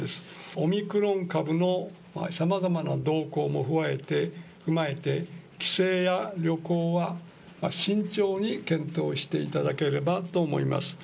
オミクロン株のさまざまな動向も踏まえて、帰省や旅行は慎重に検討していただければと思います。